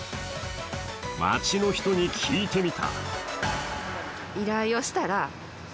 町の人に聞いてみた。